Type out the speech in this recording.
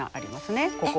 ここ。